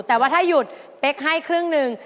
แต่ว่าถ้าหยุดเป๊กให้ครึ่งหนึ่ง